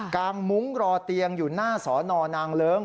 งมุ้งรอเตียงอยู่หน้าสอนอนางเลิ้ง